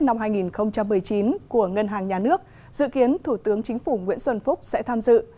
năm hai nghìn một mươi chín của ngân hàng nhà nước dự kiến thủ tướng chính phủ nguyễn xuân phúc sẽ tham dự